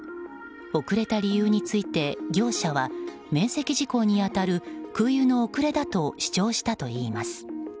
遅れた理由について業者は免責事項に当たる空輸の遅れだと主張したといいます。